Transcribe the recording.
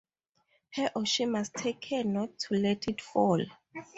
He or she must take care not to let it fall.